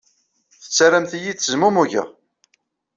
Tettarramt-iyi ttezmumugeɣ.